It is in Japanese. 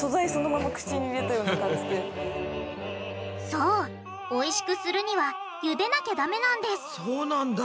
そうおいしくするには茹でなきゃダメなんですそうなんだ。